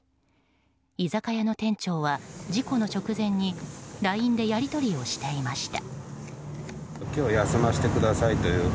居酒屋の店長は事故の直前にＬＩＮＥでやり取りをしていました。